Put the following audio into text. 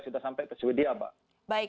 sudah sampai ke sweden ya pak